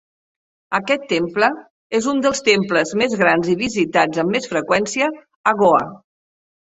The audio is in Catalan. Aquest temple és un dels temples més grans i visitats amb més freqüència a Goa.